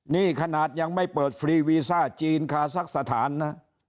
นี่ขนาดยังไม่เปิดฟรีวีซ่าจีนคาซักสถานนะ